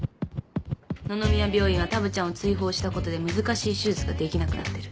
野々宮病院はタブちゃんを追放したことで難しい手術ができなくなってる。